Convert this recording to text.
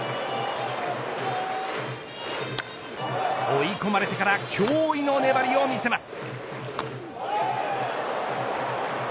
追い込まれてから驚異の粘りを見せます。